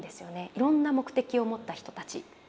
いろんな目的を持った人たち。